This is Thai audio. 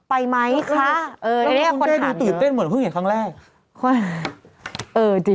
ไม่มีแต่มีอันนี้